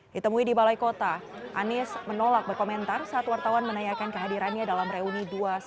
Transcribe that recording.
ditemui di balai kota anies menolak berkomentar saat wartawan menanyakan kehadirannya dalam reuni dua ratus dua belas